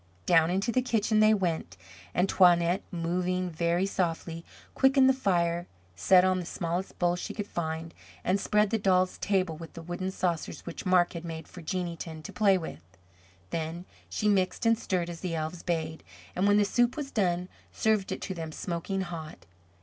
Down into the kitchen they went, and Toinette, moving very softly, quickened the fire, set on the smallest bowl she could find, and spread the doll's table with the wooden saucers which Marc had made for Jeanneton to play with. Then she mixed and stirred as the elves bade, and when the soup was done, served it to them smoking hot.